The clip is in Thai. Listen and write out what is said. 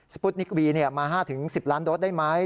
ปุตนิกวีมา๕๑๐ล้านโดสได้ไหม